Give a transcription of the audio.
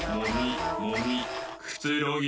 くつろぎ